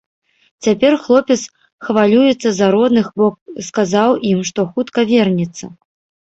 Цяпер хлопец хвалюецца за родных, бо сказаў ім, што хутка вернецца.